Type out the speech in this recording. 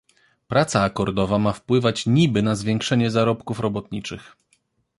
"Praca akordowa ma wpływać niby na zwiększenie zarobków robotniczych."